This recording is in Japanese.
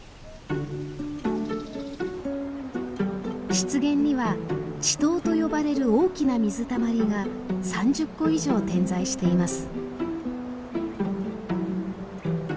湿原には「池塘」と呼ばれる大きな水たまりが３０個以上点在しています。